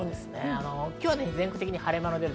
今日は全国的に晴れ間が出ます。